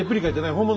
本物。